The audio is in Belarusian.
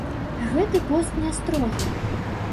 Гэты пост не строгі.